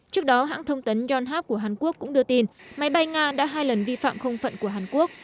trước đó hãng thông tấn yonhap của hàn quốc cũng đưa tin máy bay nga đã hai lần vi phạm không phận của hàn quốc